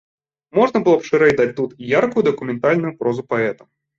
Можна б было шырэй даць тут і яркую дакументальную прозу паэта.